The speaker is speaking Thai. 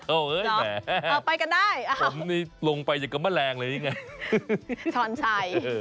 เออไปกันได้ผมนี่ลงไปอย่างกับแมลงเลยนี่ไงช้อนชัย